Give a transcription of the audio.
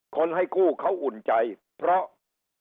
ให้กู้เขาอุ่นใจเพราะ